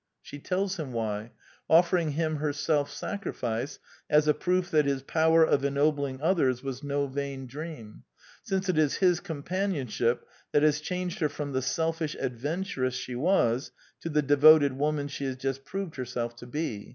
She tells him why, offering him her self sacrifice as a proof that his power of ennobling others was no vain dream, since it is his companionship that has changed her from the selfish adventuress she was to the devoted woman she has just proved herself to be.